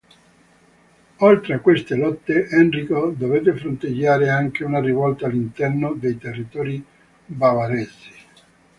Oltre a queste lotte, Enrico dovette fronteggiare anche una rivolta all'interno dei territori bavaresi.